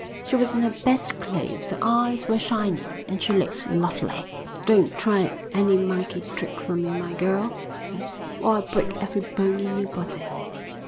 She was in her best clothes; her eyes were shining, and she looked lovely. "Don't try any monkey tricks on me, my girl," he said, "or I'll break every bone in your body."